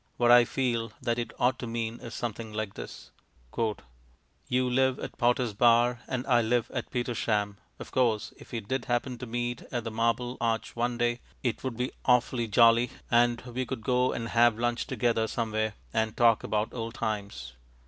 What I feel that it ought to mean is something like this: "You live at Potters Bar and I live at Petersham. Of course, if we did happen to meet at the Marble Arch one day, it would be awfully jolly, and we could go and have lunch together somewhere, and talk about old times.